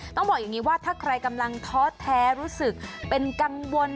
ต้องบอกอย่างนี้ว่าถ้าใครกำลังท้อแท้รู้สึกเป็นกังวล